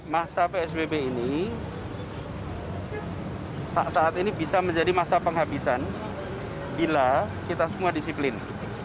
masa psbb ini saat ini bisa menjadi masa penghabisan bila kita semua disiplin